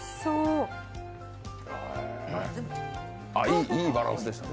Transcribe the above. いいバランスでした。